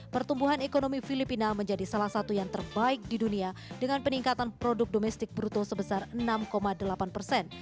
pertumbuhan ekonomi filipina menjadi salah satu yang terbaik di dunia dengan peningkatan produk domestik bruto sebesar enam delapan persen